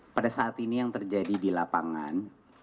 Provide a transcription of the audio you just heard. pada saat ini yang terjadi di lapangan